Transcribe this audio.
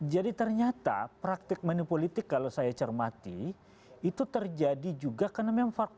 jadi ternyata praktik menu politik kalau saya cermati itu terjadi juga karena memang faktor pertarungan